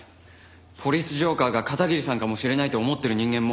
「ポリス浄化ぁ」が片桐さんかもしれないと思ってる人間も。